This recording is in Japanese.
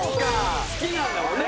好きなんだもんね。